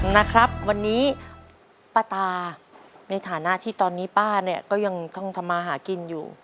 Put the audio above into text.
นะครับวันนี้ป้าตาในฐานะที่ตอนนี้ป้าเนี่ยก็ยังต้องทำมาหากินอยู่